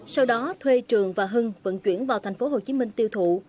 sau đó thuê trường và hưng vận chuyển vào tp hcm tiêu thụ